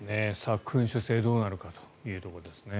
君主制どうなるかというところですね。